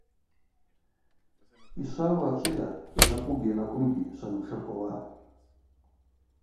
Йшвауа ачӏвыйа – йанакӏвугьи-йанакӏвымгьи шванымшыркъвауа.